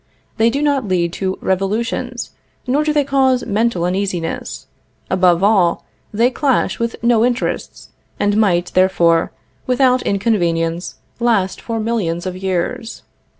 They do not lead to revolutions, nor do they cause mental uneasiness; above all, they clash with no interests, and might, therefore, without inconvenience, last for millions of years.